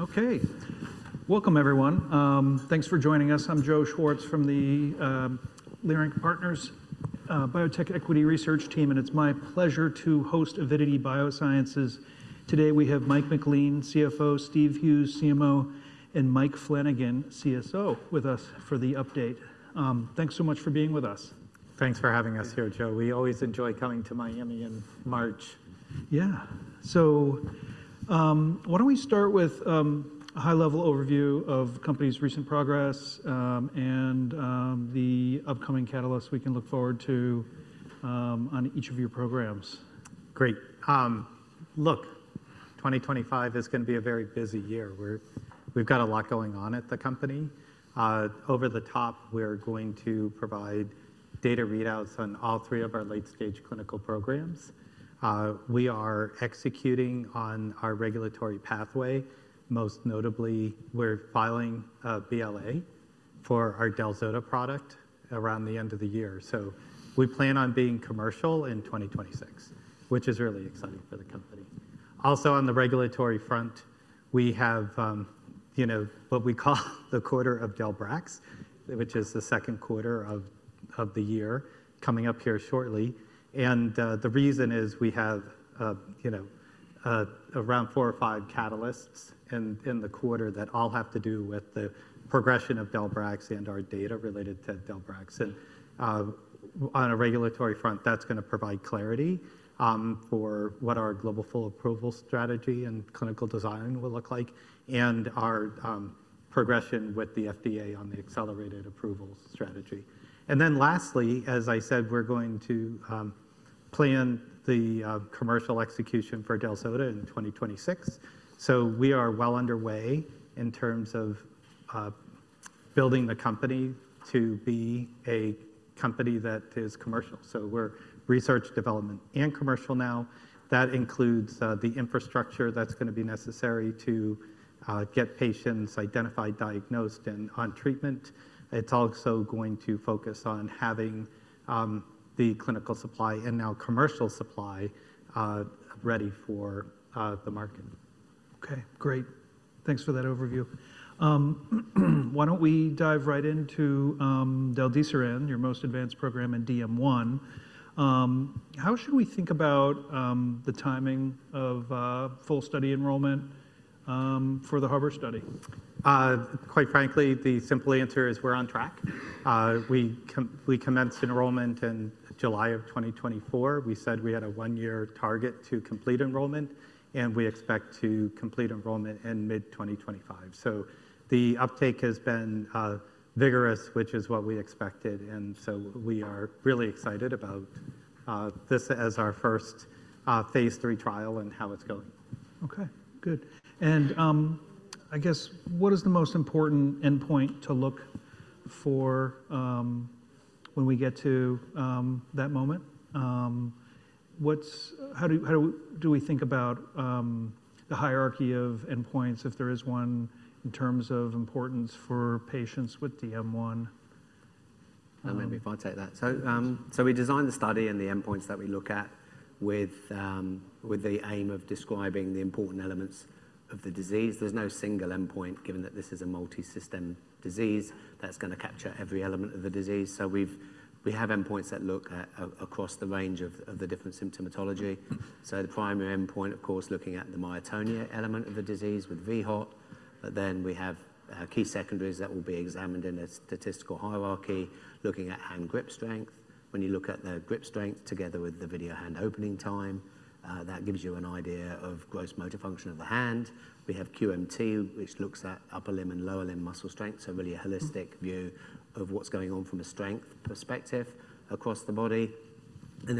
Okay. Welcome, everyone. Thanks for joining us. I'm Joe Schwartz from the Leerink Partners Biotech Equity Research Team, and it's my pleasure to host Avidity Biosciences. Today we have Mike MacLean, CFO; Steve Hughes, CMO; and Mike Flanagan, CSO, with us for the update. Thanks so much for being with us. Thanks for having us here, Joe. We always enjoy coming to Miami in March. Yeah. Why don't we start with a high-level overview of the company's recent progress and the upcoming catalysts we can look forward to on each of your programs? Great. Look, 2025 is going to be a very busy year. We've got a lot going on at the company. Over the top, we're going to provide data readouts on all three of our late-stage clinical programs. We are executing on our regulatory pathway. Most notably, we're filing a BLA for our del-zota product around the end of the year. We plan on being commercial in 2026, which is really exciting for the company. Also, on the regulatory front, we have what we call the quarter of del-brax, which is the second quarter of the year, coming up here shortly. The reason is we have around four or five catalysts in the quarter that all have to do with the progression of del-brax and our data related to del-brax. On a regulatory front, that's going to provide clarity for what our global full approval strategy and clinical design will look like, and our progression with the FDA on the accelerated approval strategy. Lastly, as I said, we're going to plan the commercial execution for del-zota in 2026. We are well underway in terms of building the company to be a company that is commercial. We are research, development, and commercial now. That includes the infrastructure that's going to be necessary to get patients identified, diagnosed, and on treatment. It's also going to focus on having the clinical supply and now commercial supply ready for the market. Okay. Great. Thanks for that overview. Why don't we dive right into del-desiran, your most advanced program in DM1? How should we think about the timing of full study enrollment for the HARBOR study? Quite frankly, the simple answer is we're on track. We commenced enrollment in July of 2024. We said we had a one-year target to complete enrollment, and we expect to complete enrollment in mid-2025. The uptake has been vigorous, which is what we expected. We are really excited about this as our first phase three trial and how it's going. Okay. Good. I guess, what is the most important endpoint to look for when we get to that moment? How do we think about the hierarchy of endpoints, if there is one, in terms of importance for patients with DM1? Let me try to take that. We designed the study and the endpoints that we look at with the aim of describing the important elements of the disease. There is no single endpoint, given that this is a multi-system disease, that is going to capture every element of the disease. We have endpoints that look across the range of the different symptomatology. The primary endpoint, of course, is looking at the myotonia element of the disease with vHOT. We have key secondaries that will be examined in a statistical hierarchy, looking at hand grip strength. When you look at the grip strength together with the video hand opening time, that gives you an idea of gross motor function of the hand. We have QMT, which looks at upper limb and lower limb muscle strength. Really a holistic view of what's going on from a strength perspective across the body.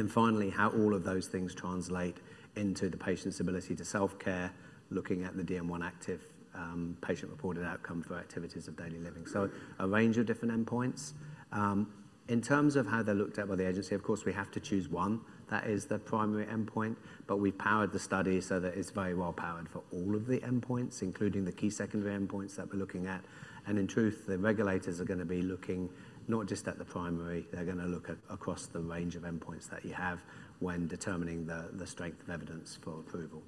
Finally, how all of those things translate into the patient's ability to self-care, looking at the DM1-Activ PRO patient-reported outcome for activities of daily living. A range of different endpoints. In terms of how they're looked at by the agency, of course, we have to choose one. That is the primary endpoint. We've powered the study so that it's very well powered for all of the endpoints, including the key secondary endpoints that we're looking at. In truth, the regulators are going to be looking not just at the primary. They're going to look across the range of endpoints that you have when determining the strength of evidence for approval.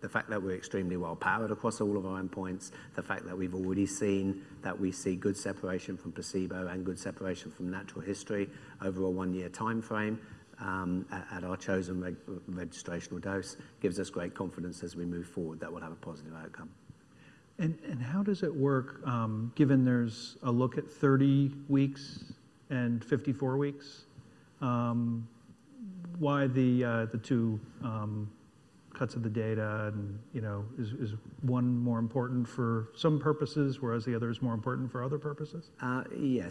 The fact that we're extremely well powered across all of our endpoints, the fact that we've already seen that we see good separation from placebo and good separation from natural history over a one-year time frame at our chosen registrational dose gives us great confidence as we move forward that we'll have a positive outcome. How does it work, given there's a look at 30 weeks and 54 weeks? Why the two cuts of the data? Is one more important for some purposes, whereas the other is more important for other purposes? Yeah.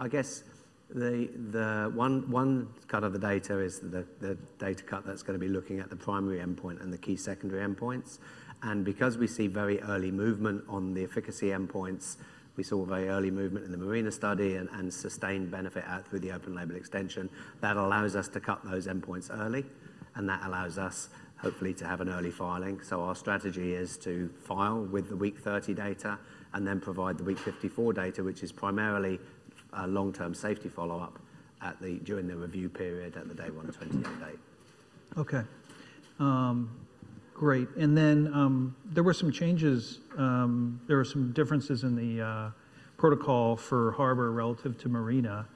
I guess one cut of the data is the data cut that's going to be looking at the primary endpoint and the key secondary endpoints. Because we see very early movement on the efficacy endpoints, we saw very early movement in the MARINA study and sustained benefit out through the open label extension, that allows us to cut those endpoints early. That allows us, hopefully, to have an early filing. Our strategy is to file with the week 30 data and then provide the week 54 data, which is primarily a long-term safety follow-up during the review period at the day 128 date. Okay. Great. There were some changes. There were some differences in the protocol for HARBOR relative to MARINA,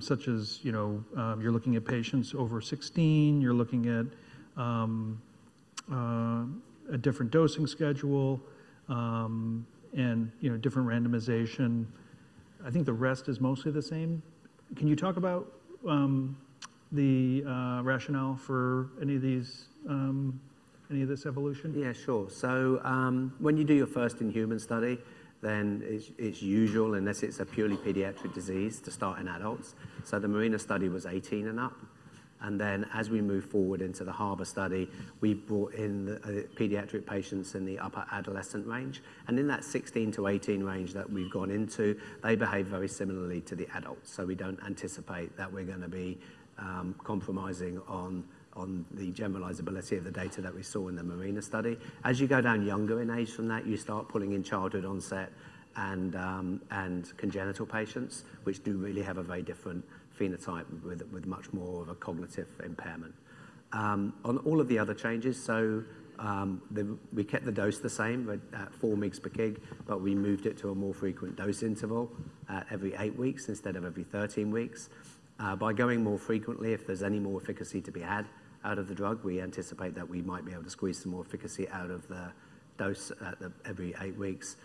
such as you're looking at patients over 16. You're looking at a different dosing schedule and different randomization. I think the rest is mostly the same. Can you talk about the rationale for any of this evolution? Yeah, sure. When you do your first-in-human study, then it's usual, unless it's a purely pediatric disease, to start in adults. The MARINA study was 18 and up. As we move forward into the HARBOR study, we brought in pediatric patients in the upper adolescent range. In that 16-18 range that we've gone into, they behave very similarly to the adults. We don't anticipate that we're going to be compromising on the generalizability of the data that we saw in the MARINA study. As you go down younger in age than that, you start pulling in childhood onset and congenital patients, which do really have a very different phenotype with much more of a cognitive impairment. On all of the other changes, we kept the dose the same at 4 mg per kg, but we moved it to a more frequent dose interval at every eight weeks instead of every 13 weeks. By going more frequently, if there's any more efficacy to be had out of the drug, we anticipate that we might be able to squeeze some more efficacy out of the dose at every eight weeks.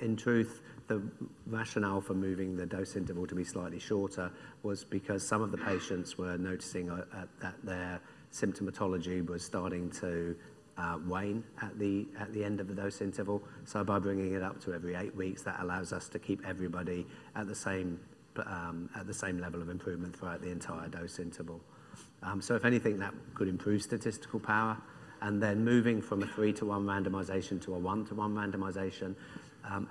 In truth, the rationale for moving the dose interval to be slightly shorter was because some of the patients were noticing that their symptomatology was starting to wane at the end of the dose interval. By bringing it up to every eight weeks, that allows us to keep everybody at the same level of improvement throughout the entire dose interval. If anything, that could improve statistical power. Moving from a three to one randomization to a one to one randomization,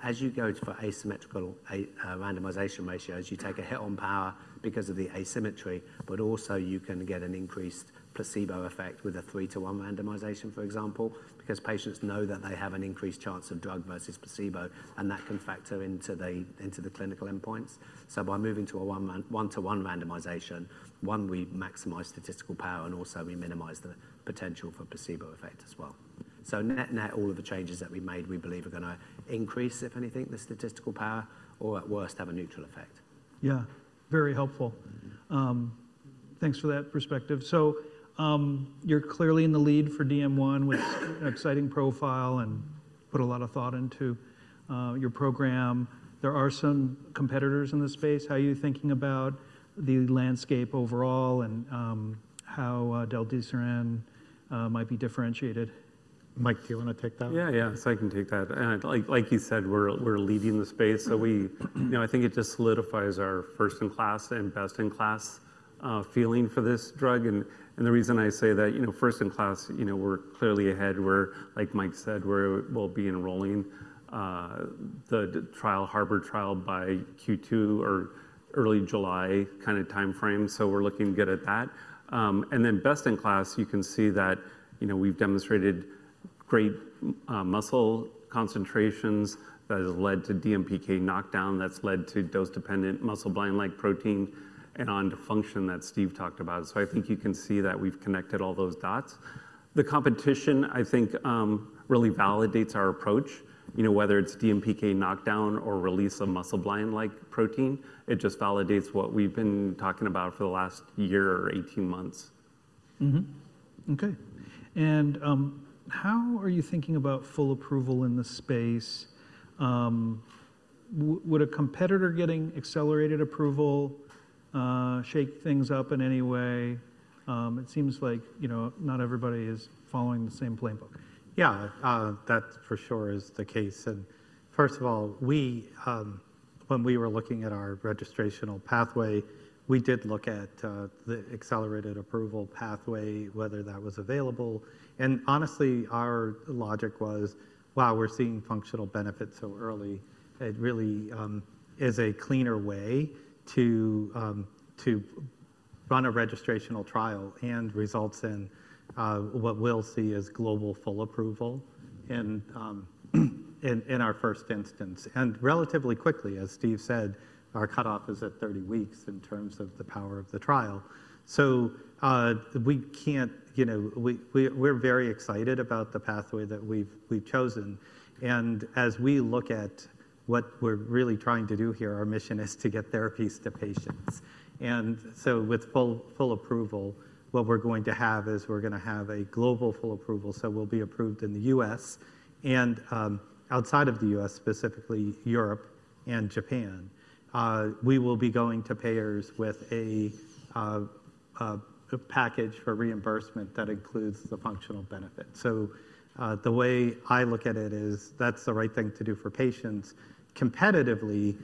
as you go for asymmetrical randomization ratios, you take a hit on power because of the asymmetry, but also you can get an increased placebo effect with a three to one randomization, for example, because patients know that they have an increased chance of drug versus placebo, and that can factor into the clinical endpoints. By moving to a one to one randomization, one, we maximize statistical power, and also we minimize the potential for placebo effect as well. Net-net, all of the changes that we made, we believe are going to increase, if anything, the statistical power, or at worst, have a neutral effect. Yeah. Very helpful. Thanks for that perspective. You are clearly in the lead for DM1 with an exciting profile and put a lot of thought into your program. There are some competitors in the space. How are you thinking about the landscape overall and how del-desiran might be differentiated? Mike, do you want to take that? Yeah, yeah. I can take that. Like you said, we're leading the space. I think it just solidifies our first-in-class and best-in-class feeling for this drug. The reason I say that, first-in-class, we're clearly ahead. Like Mike said, we'll be enrolling the HARBOR trial by Q2 or early July kind of time frame. We're looking good at that. Best-in-class, you can see that we've demonstrated great muscle concentrations that have led to DMPK knockdown that's led to dose-dependent Muscleblind-like protein and on to function that Steve talked about. I think you can see that we've connected all those dots. The competition, I think, really validates our approach, whether it's DMPK knockdown or release of Muscleblind-like protein. It just validates what we've been talking about for the last year or 18 months. Okay. How are you thinking about full approval in the space? Would a competitor getting accelerated approval shake things up in any way? It seems like not everybody is following the same playbook. Yeah, that for sure is the case. First of all, when we were looking at our registrational pathway, we did look at the accelerated approval pathway, whether that was available. Honestly, our logic was, wow, we're seeing functional benefits so early. It really is a cleaner way to run a registrational trial and results in what we'll see as global full approval in our first instance. Relatively quickly, as Steve said, our cutoff is at 30 weeks in terms of the power of the trial. We're very excited about the pathway that we've chosen. As we look at what we're really trying to do here, our mission is to get therapies to patients. With full approval, what we're going to have is we're going to have a global full approval. We will be approved in the U.S. and outside of the U.S., specifically Europe and Japan. We will be going to payers with a package for reimbursement that includes the functional benefit. The way I look at it is that's the right thing to do for patients. Competitively,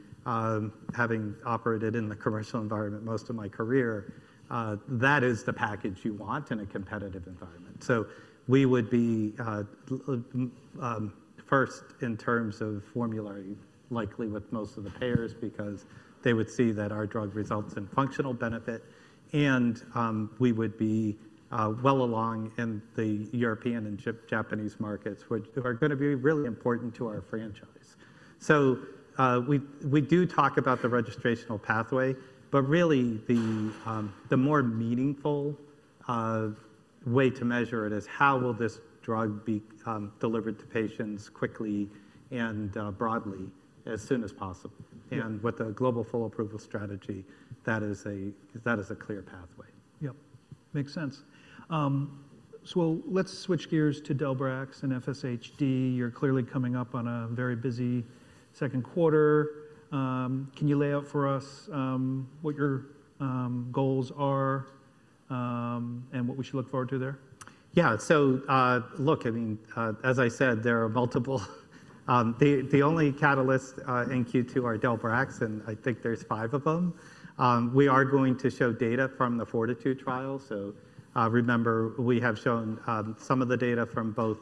having operated in the commercial environment most of my career, that is the package you want in a competitive environment. We would be first in terms of formulary, likely with most of the payers, because they would see that our drug results in functional benefit. We would be well along in the European and Japanese markets, which are going to be really important to our franchise. We do talk about the registrational pathway, but really the more meaningful way to measure it is how will this drug be delivered to patients quickly and broadly as soon as possible. With the global full approval strategy, that is a clear pathway. Yep. Makes sense. Let's switch gears to del-brax and FSHD. You're clearly coming up on a very busy second quarter. Can you lay out for us what your goals are and what we should look forward to there? Yeah. Look, I mean, as I said, there are multiple. The only catalyst in Q2 are del-brax, and I think there's five of them. We are going to show data from the FORTITUDE trial. Remember, we have shown some of the data from both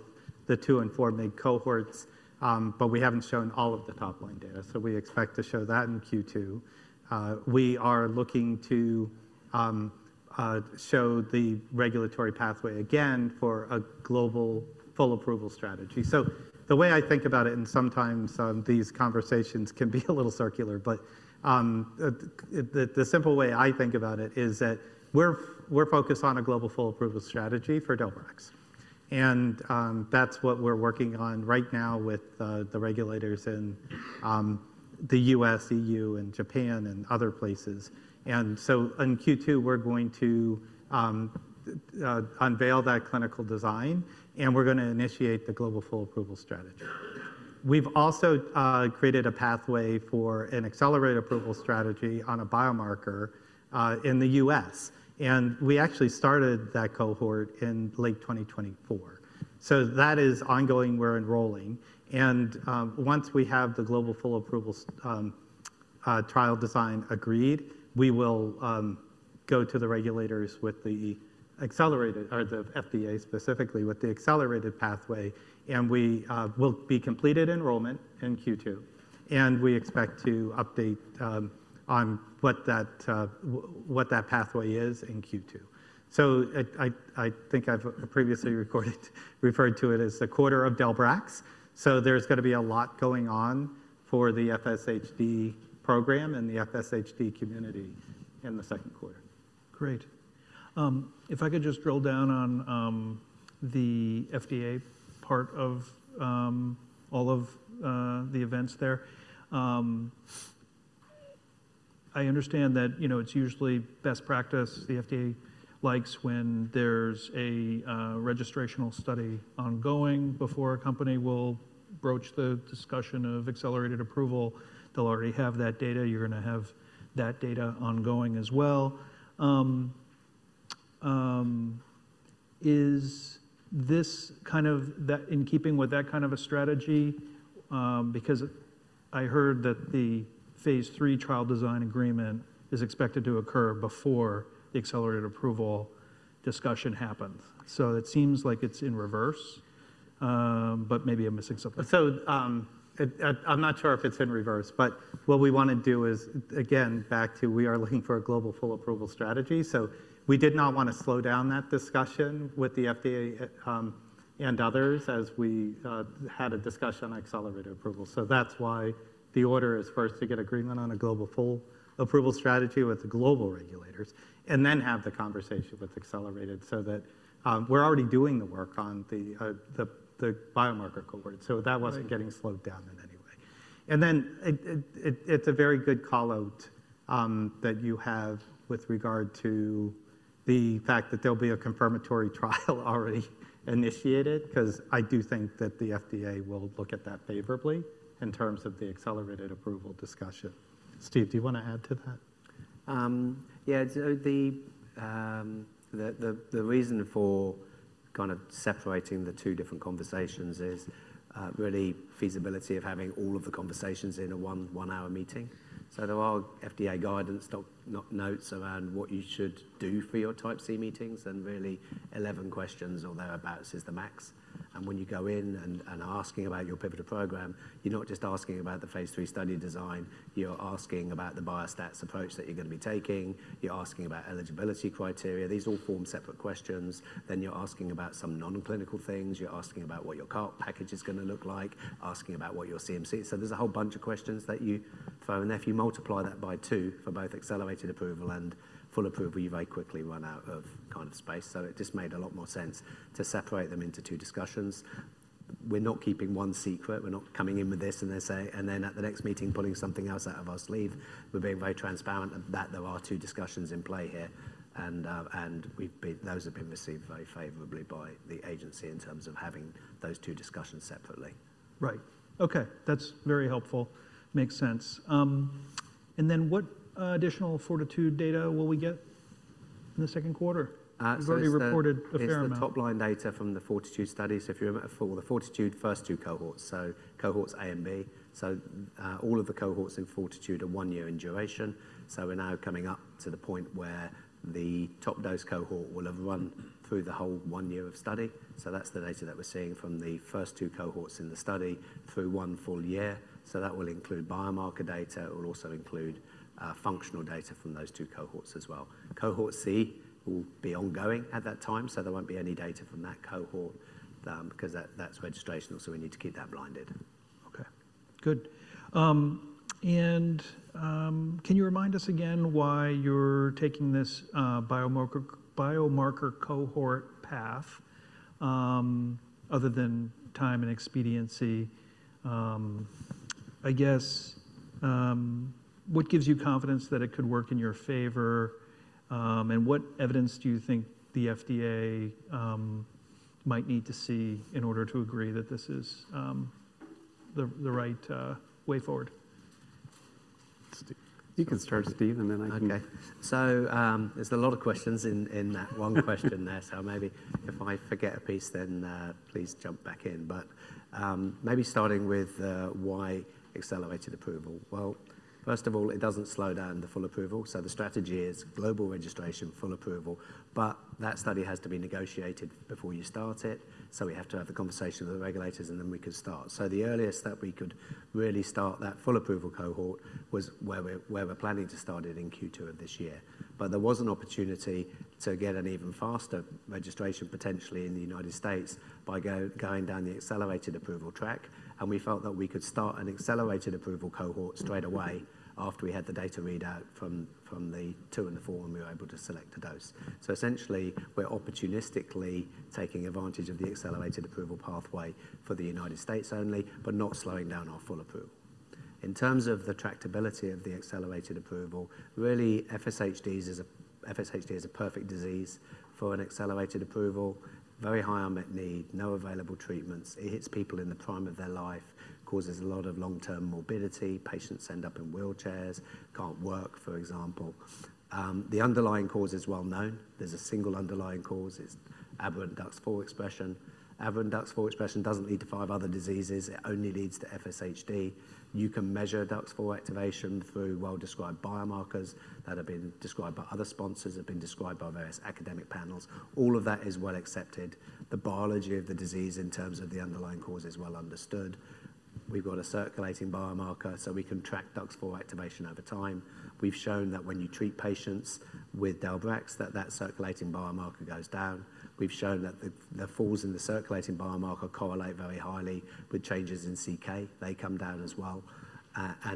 the two and four mg cohorts, but we haven't shown all of the top-line data. We expect to show that in Q2. We are looking to show the regulatory pathway again for a global full approval strategy. The way I think about it, and sometimes these conversations can be a little circular, but the simple way I think about it is that we're focused on a global full approval strategy for del-brax. That's what we're working on right now with the regulators in the U.S., EU, and Japan and other places. In Q2, we're going to unveil that clinical design, and we're going to initiate the global full approval strategy. We've also created a pathway for an accelerated approval strategy on a biomarker in the U.S. We actually started that cohort in late 2024. That is ongoing. We're enrolling. Once we have the global full approval trial design agreed, we will go to the regulators, or the FDA specifically, with the accelerated pathway. We will be completed enrollment in Q2. We expect to update on what that pathway is in Q2. I think I've previously referred to it as the quarter of del-brax. There's going to be a lot going on for the FSHD program and the FSHD community in the second quarter. Great. If I could just drill down on the FDA part of all of the events there. I understand that it's usually best practice. The FDA likes when there's a registrational study ongoing before a company will broach the discussion of accelerated approval. They'll already have that data. You're going to have that data ongoing as well. Is this kind of in keeping with that kind of a strategy? Because I heard that the phase three trial design agreement is expected to occur before the accelerated approval discussion happens. It seems like it's in reverse, but maybe I'm missing something. I'm not sure if it's in reverse, but what we want to do is, again, back to we are looking for a global full approval strategy. We did not want to slow down that discussion with the FDA and others as we had a discussion on accelerated approval. That's why the order is first to get agreement on a global full approval strategy with the global regulators and then have the conversation with accelerated so that we're already doing the work on the biomarker cohort. That wasn't getting slowed down in any way. It's a very good callout that you have with regard to the fact that there will be a confirmatory trial already initiated because I do think that the FDA will look at that favorably in terms of the accelerated approval discussion. Steve, do you want to add to that? Yeah. The reason for kind of separating the two different conversations is really feasibility of having all of the conversations in a one-hour meeting. There are FDA guidance notes around what you should do for your type C meetings and really 11 questions, although about is the max. When you go in and are asking about your pivotal program, you're not just asking about the phase three study design. You're asking about the biostats approach that you're going to be taking. You're asking about eligibility criteria. These all form separate questions. You're asking about some non-clinical things. You're asking about what your carc package is going to look like, asking about what your CMC. There is a whole bunch of questions that you throw in there. If you multiply that by two for both accelerated approval and full approval, you very quickly run out of kind of space. It just made a lot more sense to separate them into two discussions. We're not keeping one secret. We're not coming in with this and then say, and then at the next meeting, pulling something else out of our sleeve. We're being very transparent that there are two discussions in play here. Those have been received very favorably by the agency in terms of having those two discussions separately. Right. Okay. That's very helpful. Makes sense. What additional FORTITUDE data will we get in the second quarter? You've already reported a fair amount. This is the top-line data from the FORTITUDE study. If you're in the FORTITUDE first two cohorts, cohorts A and B, all of the cohorts in FORTITUDE are one year in duration. We are now coming up to the point where the top-dose cohort will have run through the whole one year of study. That is the data that we're seeing from the first two cohorts in the study through one full year. That will include biomarker data. It will also include functional data from those two cohorts as well. Cohort C will be ongoing at that time. There will not be any data from that cohort because that is registrational. We need to keep that blinded. Okay. Good. Can you remind us again why you're taking this biomarker cohort path other than time and expediency? I guess what gives you confidence that it could work in your favor? What evidence do you think the FDA might need to see in order to agree that this is the right way forward? You can start, Steve, and then I can. Okay. There's a lot of questions in that one question there. Maybe if I forget a piece, then please jump back in. Maybe starting with why accelerated approval. First of all, it doesn't slow down the full approval. The strategy is global registration, full approval. That study has to be negotiated before you start it. We have to have the conversation with the regulators, and then we can start. The earliest that we could really start that full approval cohort was where we're planning to start it in Q2 of this year. There was an opportunity to get an even faster registration potentially in the United States by going down the accelerated approval track. We felt that we could start an accelerated approval cohort straight away after we had the data readout from the two and the four, and we were able to select a dose. Essentially, we're opportunistically taking advantage of the accelerated approval pathway for the United States only, but not slowing down our full approval. In terms of the tractability of the accelerated approval, really, FSHD is a perfect disease for an accelerated approval. Very high unmet need, no available treatments. It hits people in the prime of their life, causes a lot of long-term morbidity. Patients end up in wheelchairs, can't work, for example. The underlying cause is well known. There's a single underlying cause. It's aberrant DUX4 expression. Aberrant DUX4 expression doesn't lead to five other diseases. It only leads to FSHD. You can measure DUX4 activation through well-described biomarkers that have been described by other sponsors, have been described by various academic panels. All of that is well accepted. The biology of the disease in terms of the underlying cause is well understood. We've got a circulating biomarker, so we can track DUX4 activation over time. We've shown that when you treat patients with del-brax, that that circulating biomarker goes down. We've shown that the falls in the circulating biomarker correlate very highly with changes in CK. They come down as well.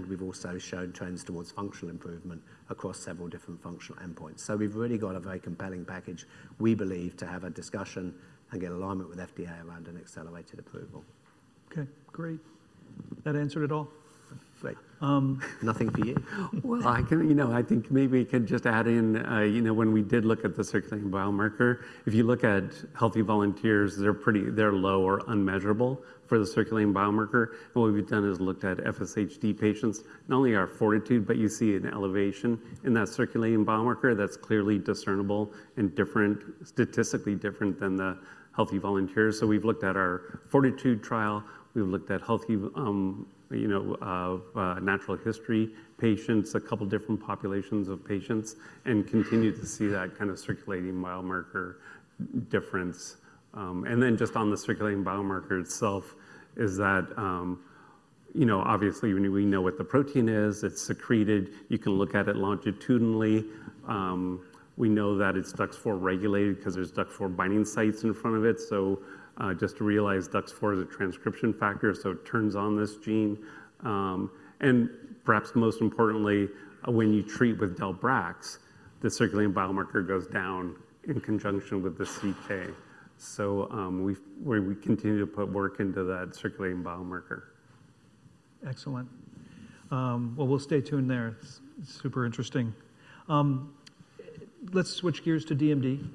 We've also shown trends towards functional improvement across several different functional endpoints. We have really got a very compelling package, we believe, to have a discussion and get alignment with FDA around an accelerated approval. Okay. Great. That answered it all. Great. Nothing for you? I think maybe we can just add in when we did look at the circulating biomarker, if you look at healthy volunteers, they're low or unmeasurable for the circulating biomarker. What we've done is looked at FSHD patients, not only our FORTITUDE, but you see an elevation in that circulating biomarker that's clearly discernible and statistically different than the healthy volunteers. We have looked at our FORTITUDE trial. We have looked at healthy natural history patients, a couple of different populations of patients, and continued to see that kind of circulating biomarker difference. Just on the circulating biomarker itself is that obviously, we know what the protein is. It's secreted. You can look at it longitudinally. We know that it's DUX4 regulated because there's DUX4 binding sites in front of it. Just to realize DUX4 is a transcription factor, so it turns on this gene. Perhaps most importantly, when you treat with del-brax, the circulating biomarker goes down in conjunction with the CK. We continue to put work into that circulating biomarker. Excellent. We'll stay tuned there. It's super interesting. Let's switch gears to DMD.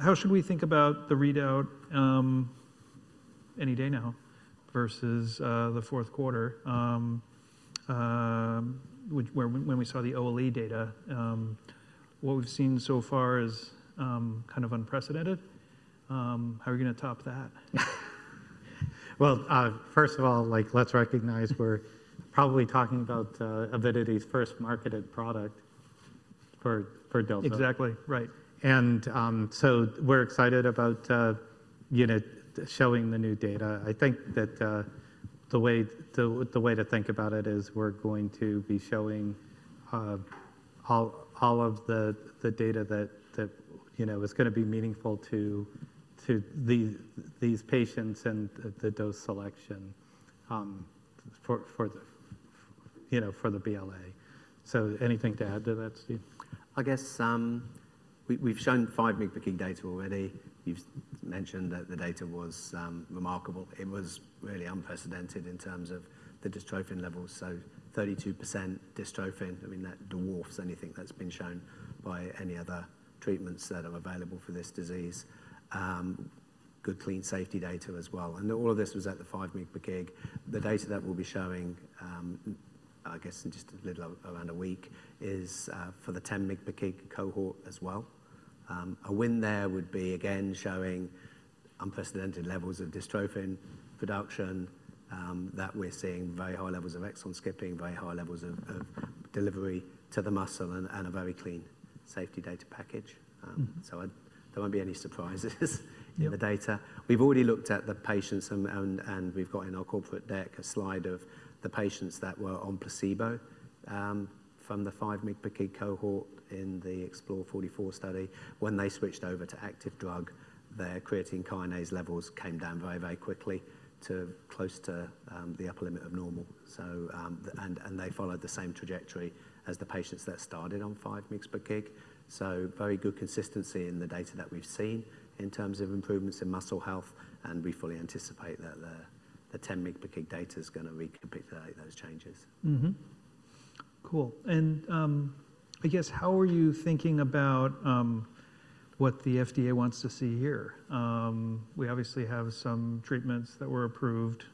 How should we think about the readout any day now versus the fourth quarter when we saw the OLE data? What we've seen so far is kind of unprecedented. How are you going to top that? First of all, let's recognize we're probably talking about Avidity's first marketed product for del-brax. Exactly. Right. We're excited about showing the new data. I think that the way to think about it is we're going to be showing all of the data that is going to be meaningful to these patients and the dose selection for the BLA. Anything to add to that, Steve? I guess we've shown 5 mg/kg data already. You've mentioned that the data was remarkable. It was really unprecedented in terms of the dystrophin levels. So 32% dystrophin. I mean, that dwarfs anything that's been shown by any other treatments that are available for this disease. Good clean safety data as well. All of this was at the 5 mg/kg. The data that we'll be showing, I guess, in just a little around a week is for the 10 mg/kg cohort as well. A win there would be, again, showing unprecedented levels of dystrophin production that we're seeing, very high levels of exon skipping, very high levels of delivery to the muscle, and a very clean safety data package. There won't be any surprises in the data. We've already looked at the patients, and we've got in our corporate deck a slide of the patients that were on placebo from the 5 mg per kg cohort in the EXPLORE44 study. When they switched over to active drug, their creatine kinase levels came down very, very quickly to close to the upper limit of normal. They followed the same trajectory as the patients that started on 5 mg per kg. Very good consistency in the data that we've seen in terms of improvements in muscle health. We fully anticipate that the 10 mg per kg data is going to recapitulate those changes. Cool. I guess, how are you thinking about what the FDA wants to see here? We obviously have some treatments that were approved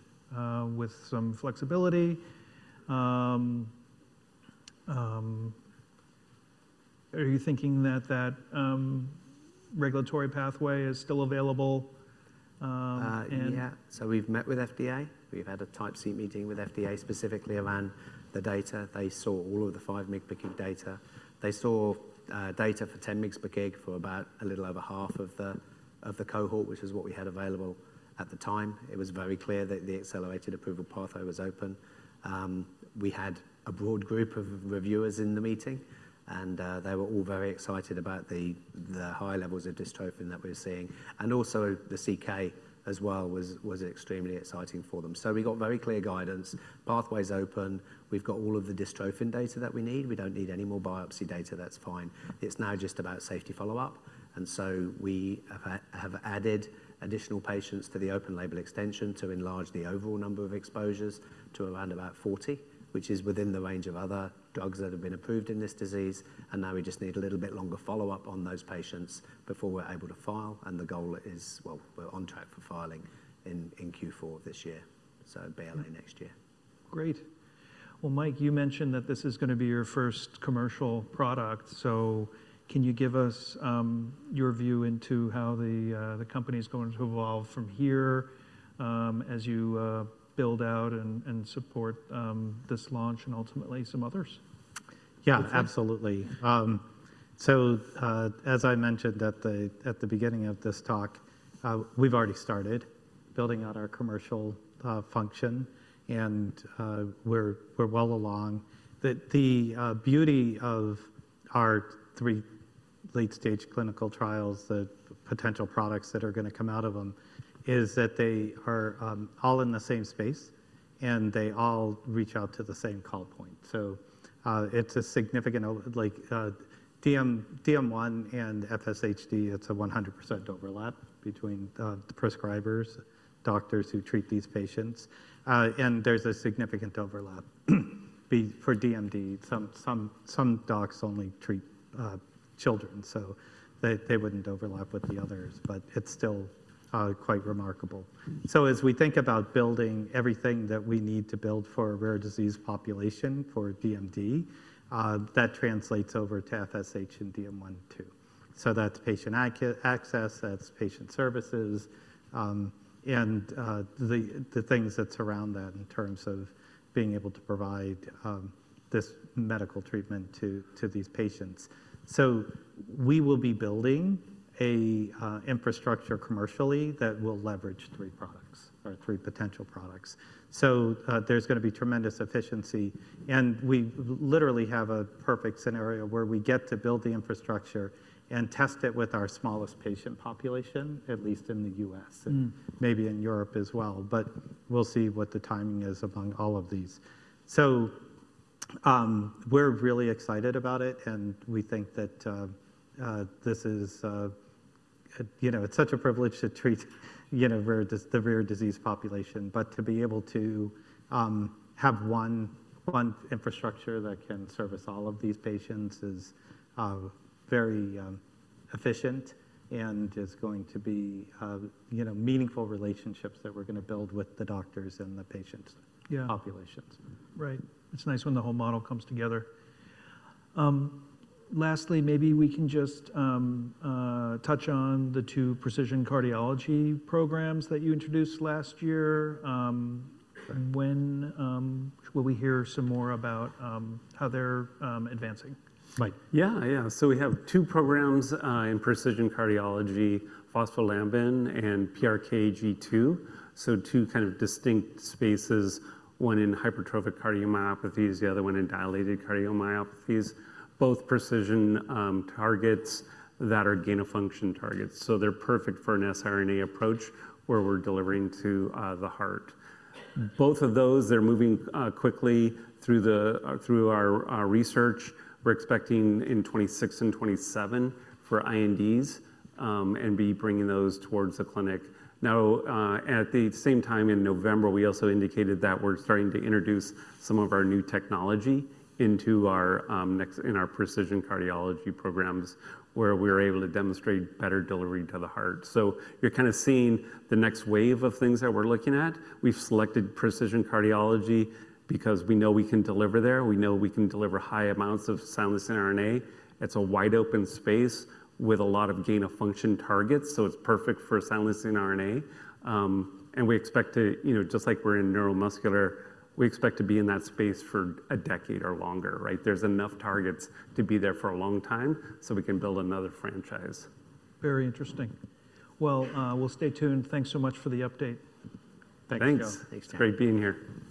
with some flexibility. Are you thinking that that regulatory pathway is still available? Yeah. So we've met with FDA. We've had a type C meeting with FDA specifically around the data. They saw all of the 5 mg per kg data. They saw data for 10 mg per kg for about a little over half of the cohort, which is what we had available at the time. It was very clear that the accelerated approval pathway was open. We had a broad group of reviewers in the meeting, and they were all very excited about the high levels of dystrophin that we're seeing. Also the CK as well was extremely exciting for them. We got very clear guidance. Pathway's open. We've got all of the dystrophin data that we need. We don't need any more biopsy data. That's fine. It's now just about safety follow-up. We have added additional patients to the open label extension to enlarge the overall number of exposures to around about 40, which is within the range of other drugs that have been approved in this disease. We just need a little bit longer follow-up on those patients before we're able to file. The goal is, well, we're on track for filing in Q4 of this year, so BLA next year. Great. Mike, you mentioned that this is going to be your first commercial product. Can you give us your view into how the company is going to evolve from here as you build out and support this launch and ultimately some others? Yeah, absolutely. As I mentioned at the beginning of this talk, we've already started building out our commercial function, and we're well along. The beauty of our three late-stage clinical trials, the potential products that are going to come out of them, is that they are all in the same space, and they all reach out to the same call point. It's a significant DM1 and FSHD, it's a 100% overlap between the prescribers, doctors who treat these patients. There's a significant overlap for DMD. Some docs only treat children, so they wouldn't overlap with the others, but it's still quite remarkable. As we think about building everything that we need to build for a rare disease population for DMD, that translates over to FSHD and DM1 too. That is patient access, that is patient services, and the things that surround that in terms of being able to provide this medical treatment to these patients. We will be building an infrastructure commercially that will leverage three products or three potential products. There is going to be tremendous efficiency. We literally have a perfect scenario where we get to build the infrastructure and test it with our smallest patient population, at least in the US, and maybe in Europe as well. We will see what the timing is among all of these. We are really excited about it, and we think that this is such a privilege to treat the rare disease population. To be able to have one infrastructure that can service all of these patients is very efficient and is going to be meaningful relationships that we're going to build with the doctors and the patient populations. Yeah. Right. It's nice when the whole model comes together. Lastly, maybe we can just touch on the two precision cardiology programs that you introduced last year. When will we hear some more about how they're advancing? Yeah, yeah. We have two programs in precision cardiology, phospholamban and PRKG2, so two kind of distinct spaces, one in hypertrophic cardiomyopathies, the other one in dilated cardiomyopathies, both precision targets that are gain of function targets. They are perfect for an siRNA approach where we are delivering to the heart. Both of those, they are moving quickly through our research. We are expecting in 2026 and 2027 for INDs and be bringing those towards the clinic. At the same time, in November, we also indicated that we are starting to introduce some of our new technology into our precision cardiology programs where we are able to demonstrate better delivery to the heart. You are kind of seeing the next wave of things that we are looking at. We have selected precision cardiology because we know we can deliver there. We know we can deliver high amounts of silencing RNA. It's a wide open space with a lot of gain of function targets, so it's perfect for silencing RNA. We expect to, just like we're in neuromuscular, we expect to be in that space for a decade or longer, right? There's enough targets to be there for a long time, so we can build another franchise. Very interesting. We will stay tuned. Thanks so much for the update. Thanks. Thanks. Great being here.